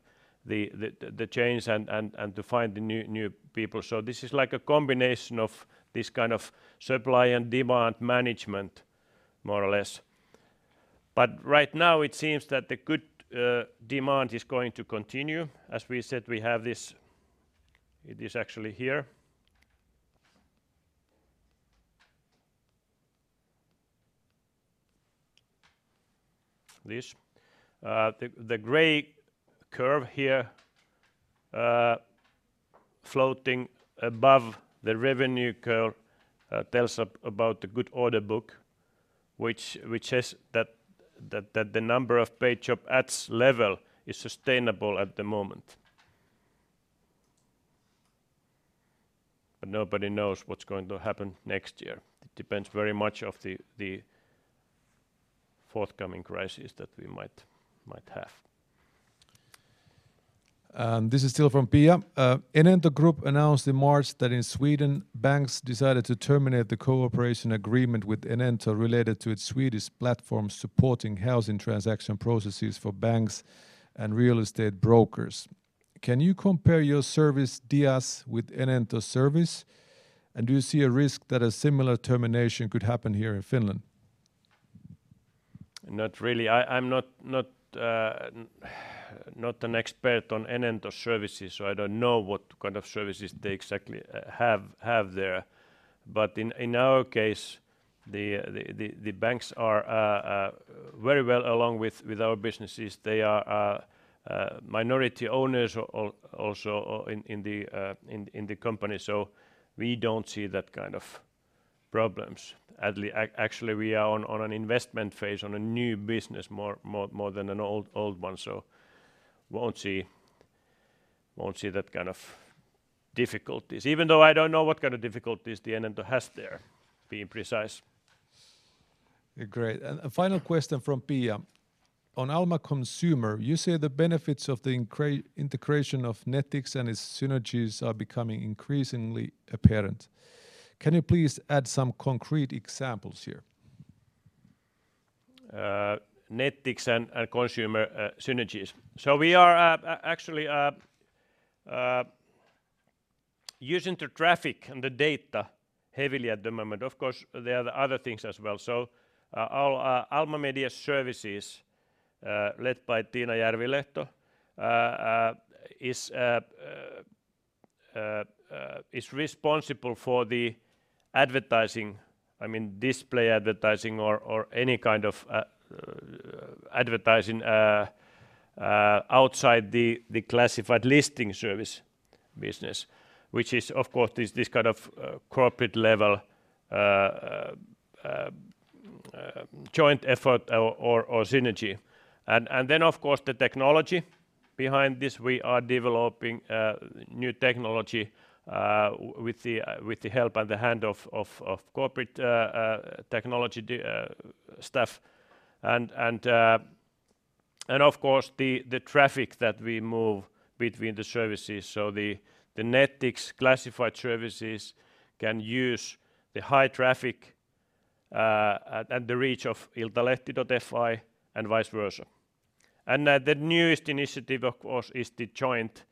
the change and to find the new people. This is like a combination of this kind of supply and demand management more or less. Right now it seems that the good demand is going to continue. As we said, the gray curve here floating above the revenue curve tells about the good order book, which says that the number of paid job ads level is sustainable at the moment. Nobody knows what's going to happen next year. It depends very much of the forthcoming crisis that we might have. This is still from Pia. Enento Group announced in March that in Sweden, banks decided to terminate the cooperation agreement with Enento related to its Swedish platform supporting housing transaction processes for banks and real estate brokers. Can you compare your service, DIAS, with Enento service? Do you see a risk that a similar termination could happen here in Finland? Not really. I'm not an expert on Enento services, so I don't know what kind of services they exactly have there. But in our case, the banks are very well aligned with our businesses. They are minority owners also in the company. So we don't see that kind of problems. Actually, we are in an investment phase in a new business more than an old one. So we won't see that kind of difficulties. Even though I don't know what kind of difficulties the Enento has there, being precise. Great. A final question from Pia. On Alma Consumer, you say the benefits of the integration of Nettix and its synergies are becoming increasingly apparent. Can you please add some concrete examples here? Nettix and consumer synergies. We are actually using the traffic and the data heavily at the moment. Of course, there are the other things as well. Alma Media Solutions, led by Tiina Järvilehto, is responsible for the advertising, I mean display advertising or any kind of advertising outside the classified listing service business, which is of course this kind of corporate level joint effort or synergy. Then of course the technology behind this. We are developing new technology with the help and the hand of corporate technology staff. Of course the traffic that we move between the services. The Nettix classified services can use the high traffic and the reach of iltalehti.fi and vice versa. The newest initiative of course is the joint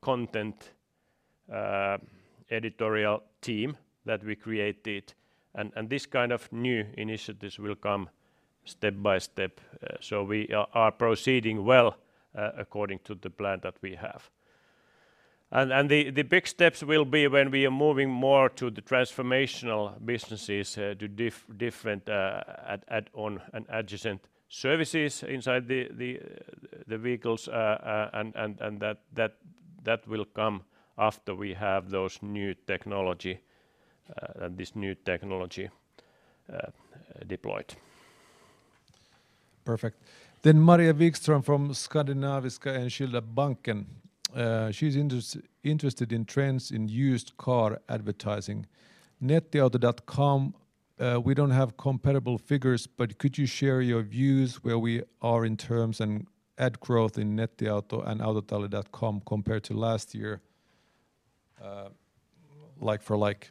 content editorial team that we created. This kind of new initiatives will come step by step. We are proceeding well according to the plan that we have. The big steps will be when we are moving more to the transformational businesses to different add-on and adjacent services inside the vehicles. That will come after we have this new technology deployed. Perfect. Maria Wikström from Skandinaviska Enskilda Banken. She's interested in trends in used car advertising. Nettiauto.com, we don't have comparable figures, but could you share your views where we are in terms of ad growth in Nettiauto and Autotalli.com compared to last year, like for like?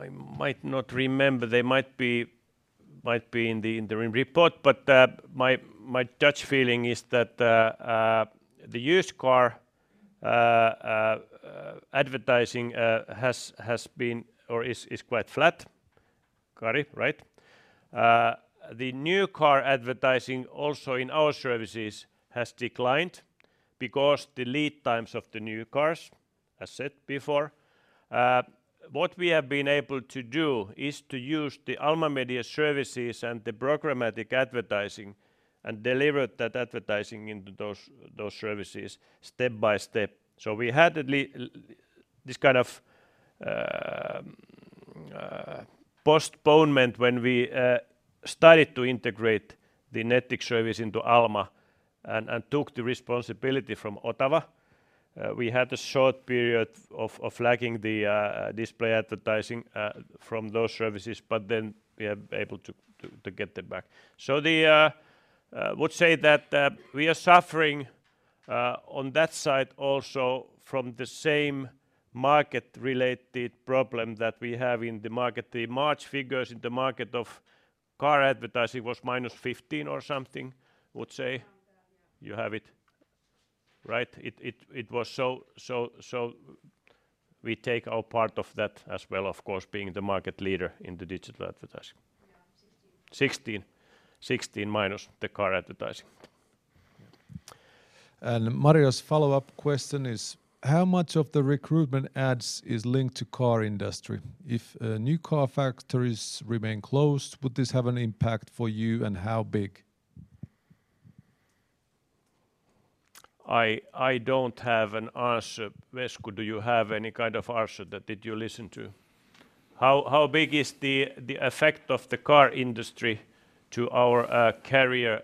I might not remember. They might be in the interim report, but my gut feeling is that the used car advertising has been or is quite flat. Kari, right? The new car advertising also in our services has declined because the lead times of the new cars, as said before. What we have been able to do is to use the Alma Media services and the programmatic advertising and deliver that advertising into those services step by step. We had this kind of postponement when we started to integrate the Nettix service into Alma and took the responsibility from Otava. We had a short period of lagging in the display advertising from those services, but then we are able to get them back. I would say that we are suffering on that side also from the same market-related problem that we have in the market. The March figures in the market of car advertising was -15% or something, I would say. Around there, yeah. You have it. Right. It was so. We take our part of that as well, of course, being the market leader in the digital advertising. Yeah, 16. 16 minus the car advertising. Maria Wikström's follow-up question is: how much of the recruitment ads is linked to car industry? If new car factories remain closed, would this have an impact for you, and how big? I don't have an answer. Vesku, do you have any kind of answer? Did you listen to how big is the effect of the car industry to our career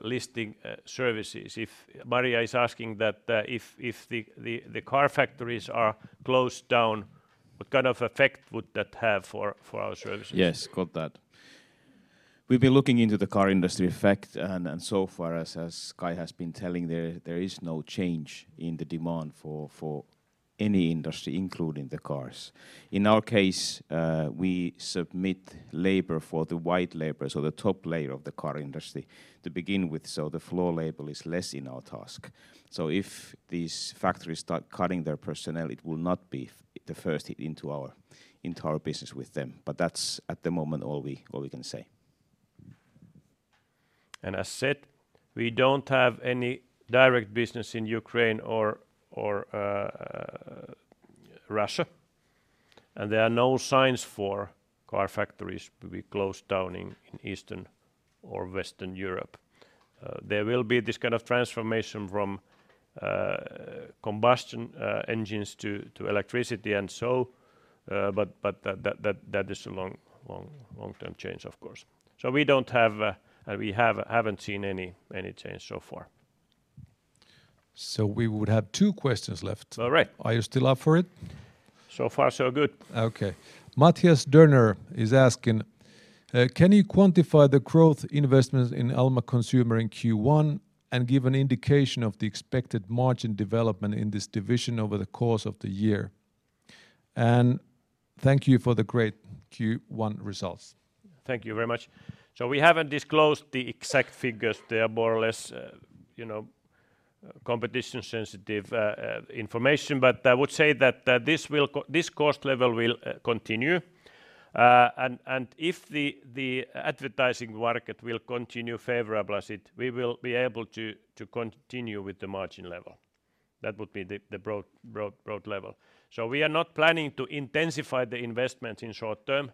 listing services? If Maria is asking that, if the car factories are closed down, what kind of effect would that have for our services? Yes, got that. We've been looking into the car industry effect and so far, as Kai has been telling, there is no change in the demand for any industry, including the cars. In our case, we supply labor for the white-collar labor, so the top layer of the car industry to begin with, so the blue-collar labor is less in our case. If these factories start cutting their personnel, it will not be the first hit into our business with them. That's at the moment all we can say. As said, we don't have any direct business in Ukraine or Russia, and there are no signs for car factories to be closed down in Eastern or Western Europe. There will be this kind of transformation from combustion engines to electricity and so, but that is a long-term change, of course. We haven't seen any change so far. We would have two questions left. All right. Are you still up for it? So far so good. Okay. Matthias Dörner is asking, can you quantify the growth investments in Alma Consumer in Q1 and give an indication of the expected margin development in this division over the course of the year? And thank you for the great Q1 results. Thank you very much. We haven't disclosed the exact figures. They are more or less, you know, competition-sensitive information. I would say that this cost level will continue. And if the advertising market will continue favorable as it, we will be able to continue with the margin level. That would be the broad level. We are not planning to intensify the investment in short term.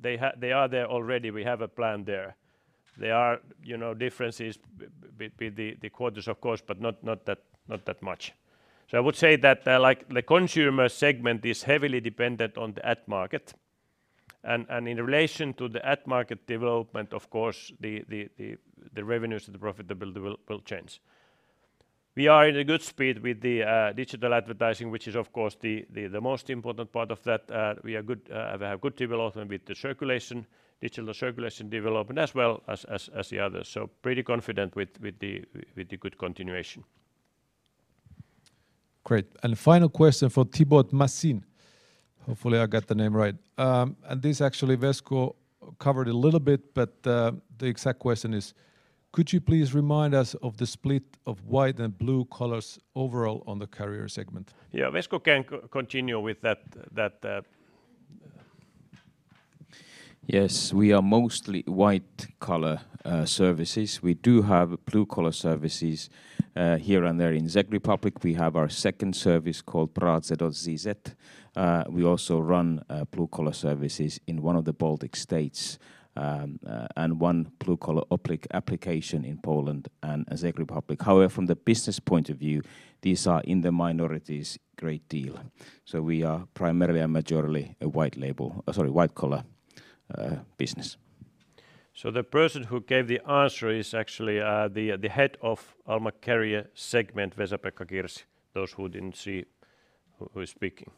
They are there already. We have a plan there. There are, you know, differences between the quarters, of course, but not that much. I would say that, like, the consumer segment is heavily dependent on the ad market and, in relation to the ad market development, of course, the revenues and the profitability will change. We are in a good speed with the digital advertising, which is of course the most important part of that. We are good, we have good development with the circulation, digital circulation development as well as the others. Pretty confident with the good continuation. Great. Final question from Thibaut Massin. Hopefully I got the name right. This actually Vesku covered a little bit, but the exact question is: could you please remind us of the split of white-collar and blue-collar overall on the career segment? Yeah. Vesku can continue with that. Yes. We are mostly white collar services. We do have blue collar services here and there. In Czech Republic, we have our second service called Prace.cz. We also run blue collar services in one of the Baltic states, and one blue collar application in Poland and Czech Republic. However, from the business point of view, these are in the minority a great deal. We are primarily and majorly a white collar business. The person who gave the answer is actually the head of Alma Career segment, Vesa-Pekka Kirsi, those who didn't see who is speaking.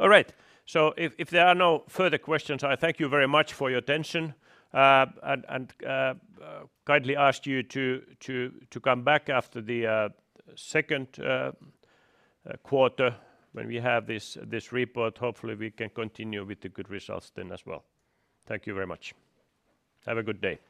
All right. If there are no further questions, I thank you very much for your attention, and kindly ask you to come back after the second quarter when we have this report. Hopefully, we can continue with the good results then as well. Thank you very much. Have a good day.